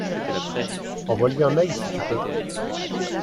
Envoie-lui un mail si tu peux.